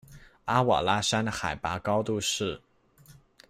阿瓦拉山的海拔高度是。